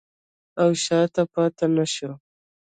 او شاته پاتې نشو.